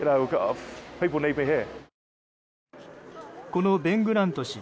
このベン・グラント氏